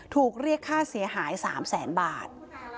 ถูกเรียกค่าเสียหาย๓แสนบาท